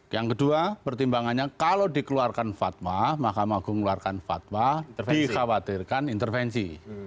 yang kedua pertimbangannya kalau dikeluarkan fatma mahkamah agung mengeluarkan fatwa dikhawatirkan intervensi